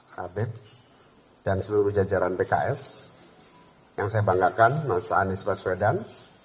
habib dan seluruh jajaran pks yang saya banggakan mas anies baswedan